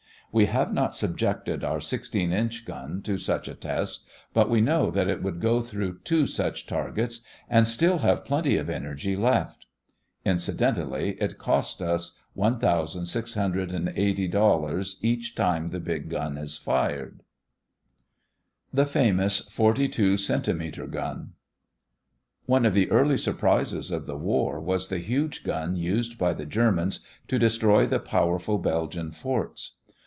We have not subjected our 16 inch gun to such a test, but we know that it would go through two such targets and still have plenty of energy left. Incidentally, it costs us $1,680 each time the big gun is fired. THE FAMOUS FORTY TWO CENTIMETER GUN One of the early surprises of the war was the huge gun used by the Germans to destroy the powerful Belgian forts.